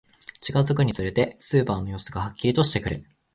近づくにつれて、スーパーの様子がはっきりとしてくる